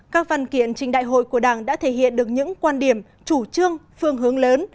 các văn kiện trình đại hội của đảng đã thể hiện được những quan điểm chủ trương phương hướng lớn